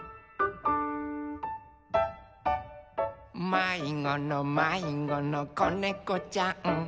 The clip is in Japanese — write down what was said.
・「まいごのまいごのこねこちゃん」